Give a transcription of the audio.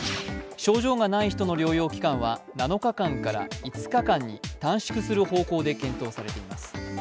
症状がない人の療養期間は７日間から５日間に短縮する方向で検討されています。